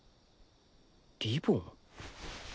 リボン？